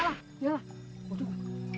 aduh aduh dialah dialah